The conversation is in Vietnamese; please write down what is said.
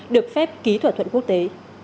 được phép ký thỏa thuận quốc tế